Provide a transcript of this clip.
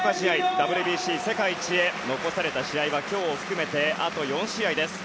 ＷＢＣ、世界一へ残された時間は今日を含めてあと４試合です。